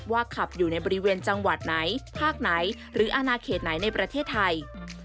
ขับอยู่ในบริเวณจังหวัดไหนภาคไหนหรืออนาเขตไหนในประเทศไทย